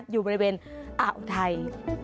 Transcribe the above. อยู่บริเวณอ่าวอุทัย